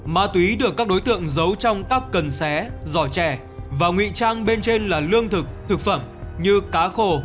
ma túy được các đối tượng giấu trong các cần xé giỏ chè và ngụy trang bên trên là lương thực thực phẩm như cá khô